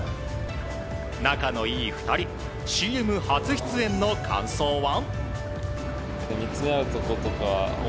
仲のいい２人ＣＭ初出演の感想は？